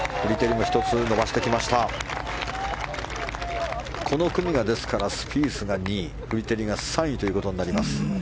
ですから、この組がスピースが２位フリテリが３位ということになります。